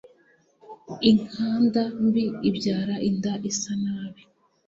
inkanda mbi ibyara inda isanabi